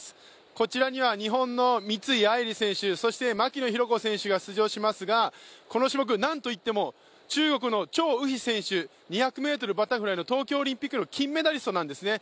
こちらには日本の三井愛梨選手、牧野紘子選手が出場しますが、この種目、何といっても中国の張雨霏選手、２００ｍバタフライの東京オリンピックの金メダリストなんですね。